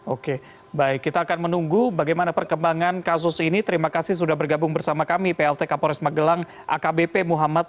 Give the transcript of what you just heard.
oke baik kita akan menunggu bagaimana perkembangan kasus ini terima kasih sudah bergabung bersama kami plt kapolres magelang akbp muhammad